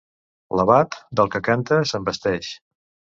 L'abat, del que canta, se'n vesteix.